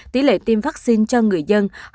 tỷ lệ tiêm vaccine cho người dân